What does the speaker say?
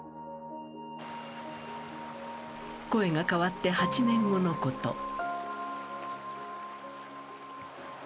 ［声が変わって８年後のこと］